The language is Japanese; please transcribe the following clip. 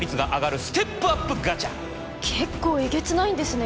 結構えげつないんですね